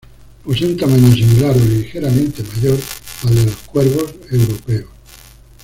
Posee un tamaño similar o ligeramente mayor al de los cuervos europeos.